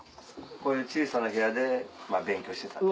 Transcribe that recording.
こういう小さな部屋で勉強してた。